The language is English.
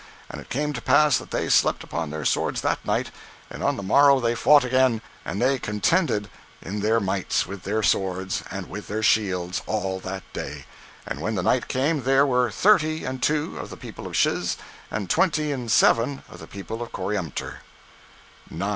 And it came to pass that they slept upon their swords that night, and on the morrow they fought again, and they contended in their mights with their swords, and with their shields, all that day; and when the night came there were thirty and two of the people of Shiz, and twenty and seven of the people of Coriantumr.